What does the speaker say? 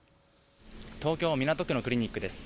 東京港区のクリニックです。